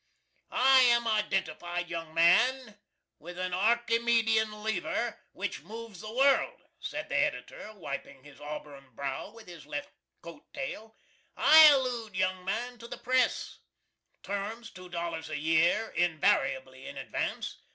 "I am identified, young man, with a Arkymedian leaver which moves the world," said the Editor, wiping his auburn brow with his left coat tail; "I allude, young man, to the press: Terms, two dollars a year, invariably in advance.